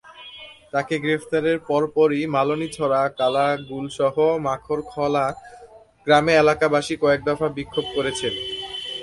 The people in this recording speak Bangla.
তাঁকে গ্রেপ্তারের পরপরই মালনীছড়া, কালাগুলসহ মাখরখলা গ্রামে এলাকাবাসী কয়েক দফা বিক্ষোভ করেছেন।